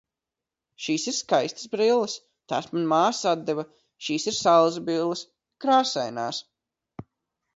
Šīs ir skaistas brilles. Tās man māsa atdeva. Šīs ir saulesbrilles, krāsainās.